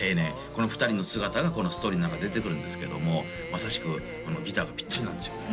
この２人の姿がこのストーリーの中で出てくるんですけどもまさしくギターがピッタリなんですよね